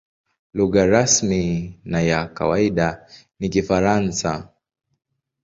Lugha rasmi na ya kawaida ni Kifaransa.